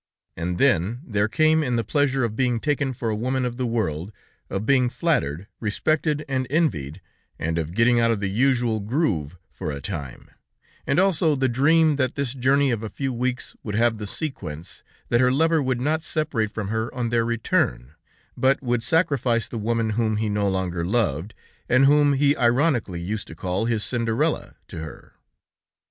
And then there came in the pleasure of being taken for a woman of the world, of being flattered, respected and envied, and of getting out of the usual groove for a time, and also the dream that this journey of a few weeks would have the sequence, that her lover would not separate from her on their return, but would sacrifice the woman whom he no longer loved, and whom he ironically used to call his Cinderella, to her.